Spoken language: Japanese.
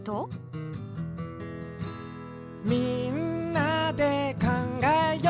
「みんなでかんがえよう」